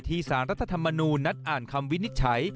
สารรัฐธรรมนูญนัดอ่านคำวินิจฉัย